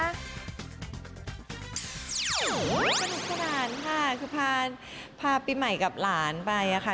สนุกสนานค่ะคือพาปีใหม่กับหลานไปค่ะ